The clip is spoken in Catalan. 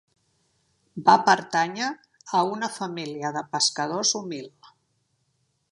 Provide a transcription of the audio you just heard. Va pertànyer a una família de pescadors humil.